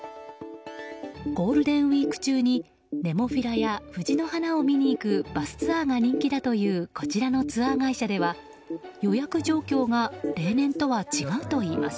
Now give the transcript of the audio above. ゴールデンウィーク中にネモフィラや藤の花を見に行くバスツアーが人気だというこちらのツアー会社では予約状況が例年とは違うといいます。